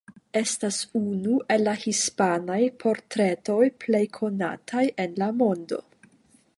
Estas unu el la hispanaj portretoj plej konataj en la mondo.